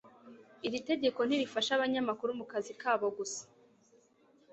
Iri tegeko ntirifasha abanyamakuru mu kazi kabo gusa,